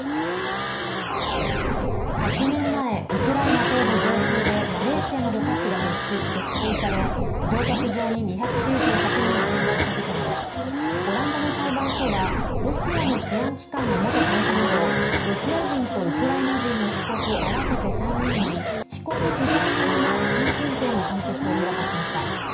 ８年前、ウクライナ東部上空でマレーシアの旅客機が撃墜され乗客・乗員２９８人が死亡した事件でオランダの裁判所はロシアの治安機関の元大佐などロシア人とウクライナ人の被告合わせて３人に被告不在のまま終身刑の判決を言い渡しました。